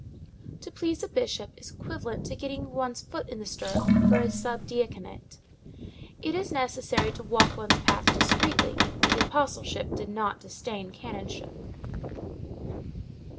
To please a bishop is equivalent to getting one's foot in the stirrup for a sub diaconate. It is necessary to walk one's path discreetly; the apostleship does not disdain the canonship.